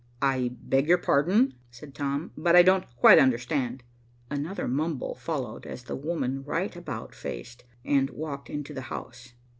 "I beg your pardon," said Tom, "but I don't quite understand." Another mumble followed, as the woman right about faced and walked into the house.